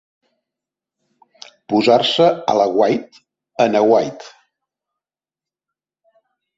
Posar-se a l'aguait, en aguait.